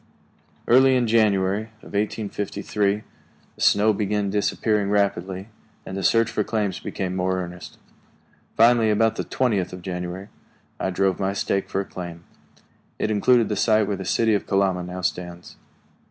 Early in January of 1853 the snow began disappearing rapidly, and the search for claims became more earnest. Finally, about the twentieth of January, I drove my stake for a claim. It included the site where the city of Kalama now stands.